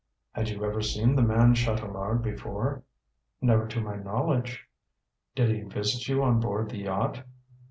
"Had you ever seen the man Chatelard before?" "Never to my knowledge." "Did he visit you on board the yacht?"